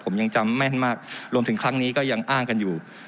ผมยังจำแม่นมากรวมถึงครั้งนี้ก็ยังอ้างกันอยู่